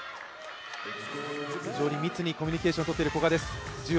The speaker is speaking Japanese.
密にコミュニケーションをとっている古賀です。